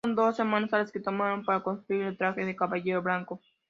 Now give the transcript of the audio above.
Fueron dos semanas las que tomaron para construir el traje de el Caballero Blanco.